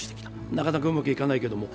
なかなかうまくいかないけれども。